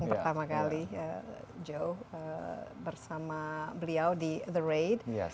yang pertama kali joe bersama beliau di the raid